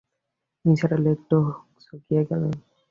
নিসার আলি একটু হকচকিয়ে গেলেন।